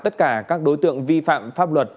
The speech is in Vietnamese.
tất cả các đối tượng vi phạm pháp luật